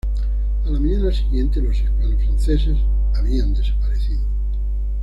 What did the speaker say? A la mañana siguiente, los hispano-franceses habían desaparecido.